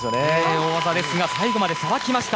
大技ですが最後までさばきました。